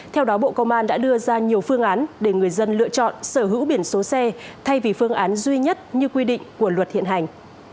theo đó bộ công an đã đưa ra nhiều phương án để người dân lựa chọn sở hữu biển số xe thay vì phương án duy nhất như quy định của luật hiện hành